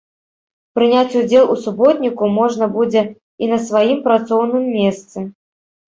Прыняць удзел у суботніку можна будзе і на сваім працоўным месцы.